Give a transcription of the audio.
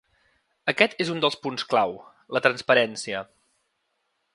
Aquest és un dels punts clau: la transparència.